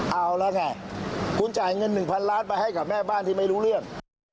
เอาแล้วไงคุณจ่ายเงิน๑๐๐ล้านไปให้กับแม่บ้านที่ไม่รู้เรื่อง